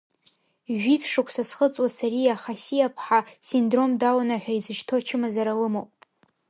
Жәиԥшь шықәса зхыҵуа Сариа Хасиаԥҳа синдром Дауна ҳәа изышьҭоу ачымазара лымоуп.